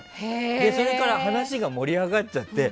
それから話が盛り上がっちゃって。